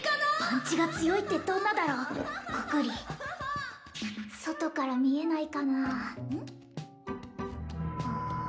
パンチが強いってどんなだろ外から見えないかなうん？